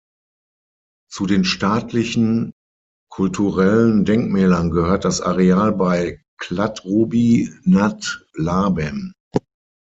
Zu den staatlichen kulturellen Denkmälern gehört das Areal bei Kladruby nad Labem.